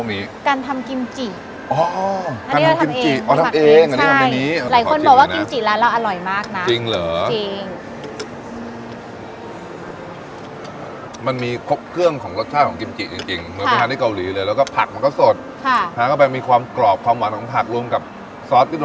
อันนี้สูตรลับใช่ไหมใช่มันเป็นสูตรของทางร้านที่เราไปส่งเด็กไปเรียนพ่อครัวแม่ครัวเราเนี่ย